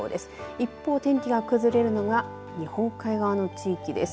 一方、天気が崩れるのが日本海側の地域です。